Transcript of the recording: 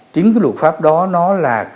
chính cái luật pháp đó nó là